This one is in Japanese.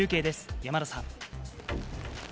山田さん。